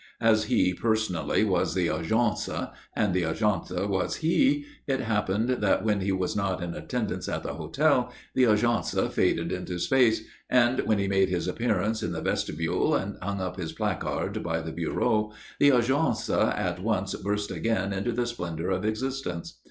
As he, personally, was the Agence, and the Agence was he, it happened that when he was not in attendance at the hotel, the Agence faded into space, and when he made his appearance in the vestibule and hung up his placard by the bureau, the Agence at once burst again into the splendour of existence.